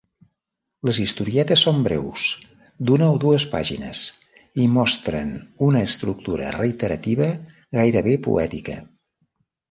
Les historietes són breus, d'una o dues pàgines i mostren una estructura reiterativa, gairebé poètica.